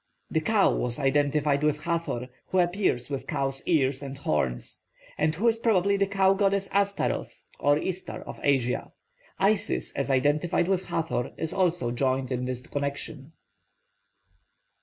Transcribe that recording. The cow was identified with Hathor, who appears with cow's ears and horns, and who is probably the cow goddess Ashtaroth or Istar of Asia. Isis, as identified with Hathor, is also joined in this connection.